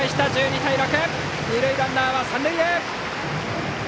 二塁ランナーは三塁へ。